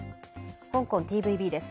香港ＴＶＢです。